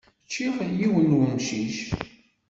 Ččiɣ yiwen n umcic.